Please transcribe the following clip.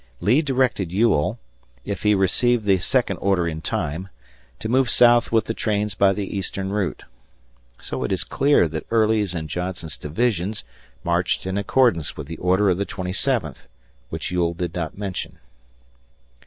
Lee directed Ewell, if he received the second order in time, to move south with the trains by the eastern route. So it is clear that Early's and Johnson's divisions marched in accordance with the order of the twenty seventh, which Ewell did not mention.